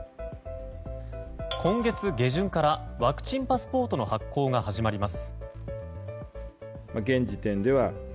今月下旬からワクチンパスポートの発行が始まります。